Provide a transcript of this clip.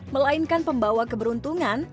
melainkan pembawa keberuntungan